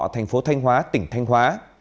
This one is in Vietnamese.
thành phố thanh hóa tỉnh thanh hóa